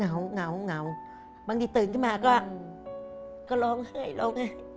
เหงาเหงาบางทีตื่นขึ้นมาก็ร้องไห้ร้องไห้